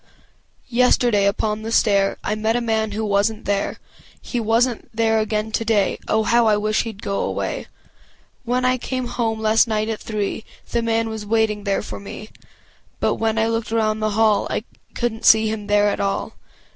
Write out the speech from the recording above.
Yesterday upon the stair I met a man who wasnât there He wasnât there again today I wish, I wish heâd go away When I came home last night at three The man was waiting there for me But when I looked around the hall I couldnât see him there at all!